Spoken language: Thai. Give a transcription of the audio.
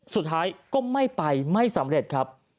สุดท้ายก็ไม่ไปไม่สำเร็จครับ